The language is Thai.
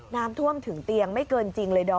น้ำท่วมถึงเตียงไม่เกินจริงเลยดอม